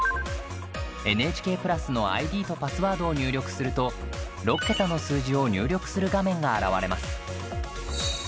ＮＨＫプラスのＩＤとパスワードを入力すると６桁の数字を入力する画面が現れます。